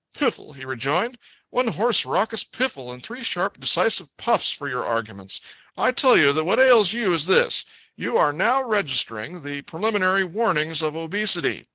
"Piffle!" he rejoined. "One hoarse raucous piffle and three sharp decisive puffs for your arguments! I tell you that what ails you is this: You are now registering, the preliminary warnings of obesity.